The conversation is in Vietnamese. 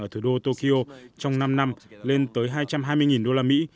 ở thủ đô tokyo trong năm năm lên tới hai trăm hai mươi đô la mỹ